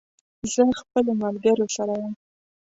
زه خپلو ملګرو سره یم